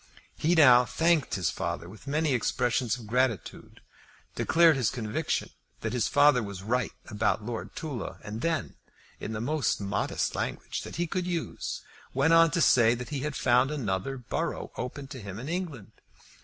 He now thanked his father with many expressions of gratitude, declared his conviction that his father was right about Lord Tulla, and then, in the most modest language that he could use, went on to say that he had found another borough open to him in England.